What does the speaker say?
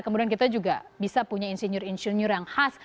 kemudian kita juga bisa punya insinyur insinyur yang khas